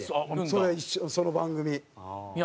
それはその番組。